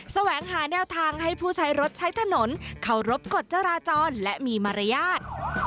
แสวงหาแนวทางให้ผู้ใช้รถใช้ถนนเคารพกฎจราจรและมีมารยาท